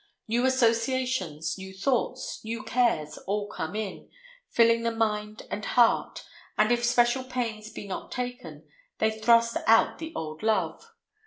New associations, new thoughts, new cares, all come in, filling the mind and heart, and, if special pains be not taken, they thrust out the old love.